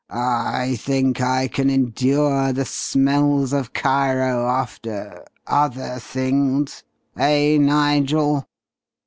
"I think I can endure the smells of Cairo after other things. Eh, Nigel?"